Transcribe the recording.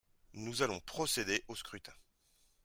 Nous allons procéder au scrutin.